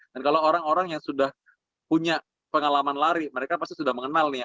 dan kalau orang orang yang sudah punya pengalaman lari mereka pasti sudah mengenal nih